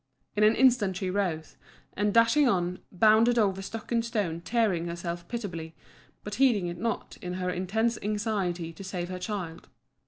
In an instant she rose, and, dashing on, bounded over stock and stone, tearing herself pitiably, but heeding it not in her intense anxiety to save her child.